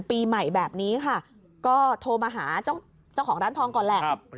ปีใหม่แบบนี้ค่ะก็โทรมาหาเจ้าของร้านทองก่อนแหละ